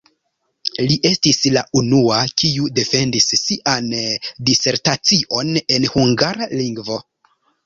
Li estis la unua, kiu defendis sian disertacion en hungara lingvo.